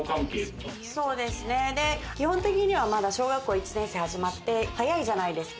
基本的には小学校１年生始まって早いじゃないですか。